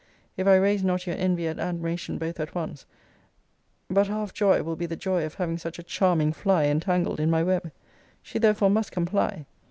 If I raise not your envy and admiration both at once, but half joy will be the joy of having such a charming fly entangled in my web. She therefore must comply.